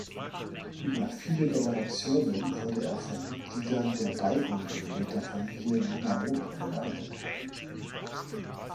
Über viele Generationen wurde er von Mitgliedern der Daigo-Linie der Familie Minamoto geleitet.